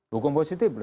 hukum positif ya